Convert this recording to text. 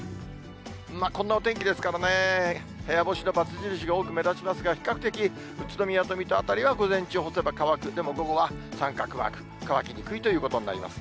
こんなお天気ですからね、部屋干しの×印が多く目立ちますが、比較的、宇都宮と水戸辺りは午前中、干せば乾く、でも午後は三角マーク、乾きにくいということになります。